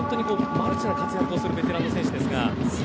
マルチな活躍をするベテランです。